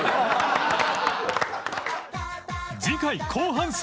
次回後半戦